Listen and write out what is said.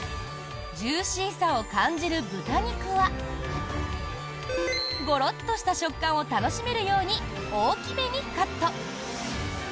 ジューシーさを感じる豚肉はゴロッとした食感を楽しめるように大きめにカット。